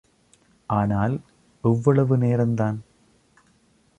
ஆனால் எவ்வளவு நேரந்தான்.